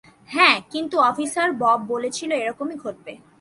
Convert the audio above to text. হ্যাঁ, কিন্তু officer Bob বলেছিল এরকমই ঘটবে।